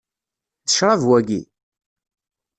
D ccṛab waki?